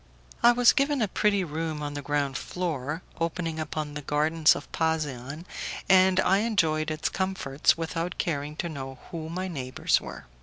I was given a pretty room on the ground floor, opening upon the gardens of Pasean, and I enjoyed its comforts without caring to know who my neighbours were.